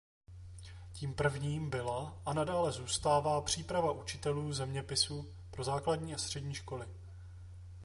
Tím prvním byla a nadále zůstává příprava učitelů zeměpisu pro základní a střední školy.